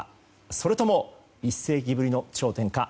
それとも、１世紀ぶりの頂点か。